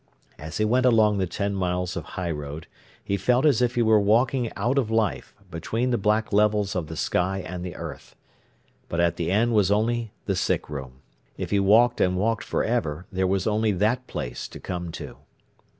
As he went along the ten miles of highroad, he felt as if he were walking out of life, between the black levels of the sky and the earth. But at the end was only the sick room. If he walked and walked for ever, there was only that place to come to.